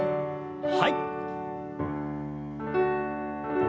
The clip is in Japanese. はい。